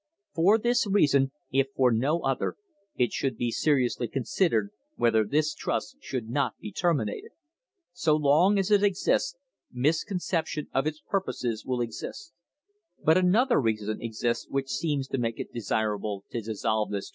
For this reason, if for no other, it should be seriously considered whether this trust should not be terminated. So long as it exists, misconception of its purposes will exist. " But another reason exists which seems to make it desirable to dissolve this trust.